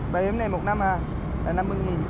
bảo hiểm này một năm à đã năm mươi đồng